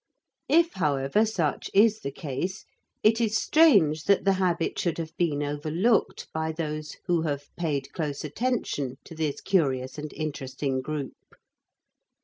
If however such is the case, it is strange that the habit should have been overlooked by those who have paid close attention to this curious and interesting group.